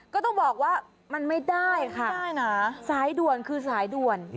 ก็ต้องบอกว่ามันไม่ได้ค่ะสายด่วนคือสายด่วน